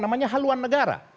namanya haluan negara